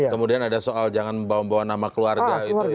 kemudian ada soal jangan membawa bawa nama keluarga